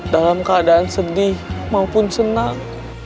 dalam keadaan sedih maupun senang